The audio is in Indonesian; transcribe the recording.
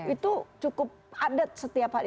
itu cukup padat setiap hari